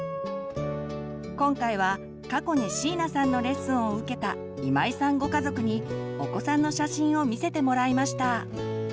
今回は過去に椎名さんのレッスンを受けた今井さんご家族にお子さんの写真を見せてもらいました。